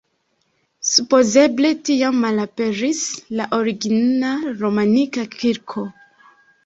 Supozeble tiam malaperis la origina romanika kirko.